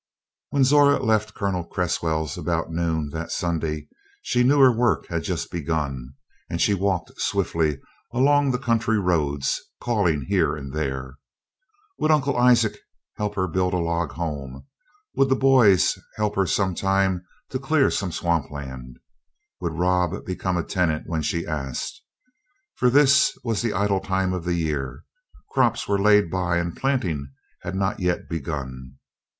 When Zora left Colonel Cresswell's about noon that Sunday she knew her work had just begun, and she walked swiftly along the country roads, calling here and there. Would Uncle Isaac help her build a log home? Would the boys help her some time to clear some swamp land? Would Rob become a tenant when she asked? For this was the idle time of the year. Crops were laid by and planting had not yet begun.